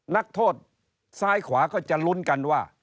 นักโทษซ้ายขวาก็จะลุ้นกันว่า